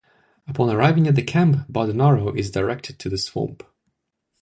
Upon arriving at the camp, Bardonaro is directed to the Swamp.